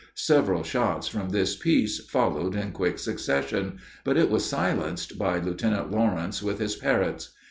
Several shots from this piece followed in quick succession, but it was silenced by Lieutenant Lawrence with his Parrotts.